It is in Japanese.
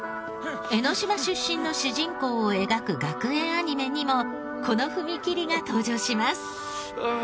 江の島出身の主人公を描く学園アニメにもこの踏切が登場します。